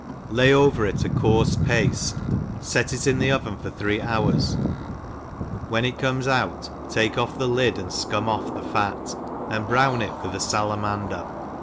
Jay over it a coarfe paftc, fet it in the oven for three hours; when it conies out, take off the lid and fcum off the fat, and brown it with a falamander.